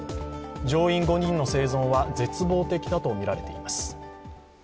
乗員５人の生存は絶望的だとみられています。